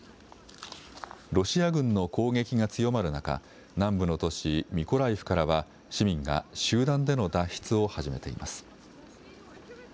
ロシア軍の攻撃が強まる中、南部の都市ミコライフからは市民が集団での脱出を始めています。